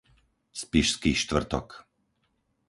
Spišský Štvrtok